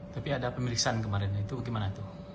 tapi ada pemeriksaan kemarin itu bagaimana